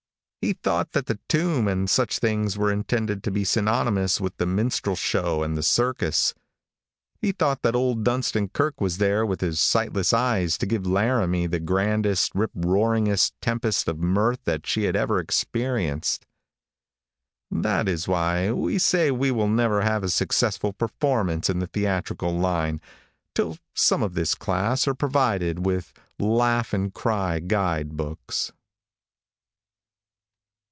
He thought that the tomb and such things were intended to be synonymous with the minstrel show and the circus. He thought that old Dunstan Kirke was there with his sightless eyes to give Laramie the grandest, riproaringest tempest of mirth that she had ever experienced. That is why we say that we will never have a successful performance in the theatrical line, till some of this class are provided with laugh and cry guide books.